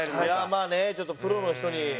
まあねちょっとプロの人に。